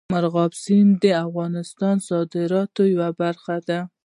مورغاب سیند د افغانستان د صادراتو یوه برخه ده.